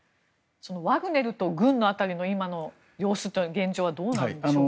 ワグネルと軍の辺りの今の様子というのは現状はどうなんでしょうか。